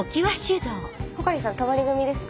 ・穂刈さん泊まり組ですか？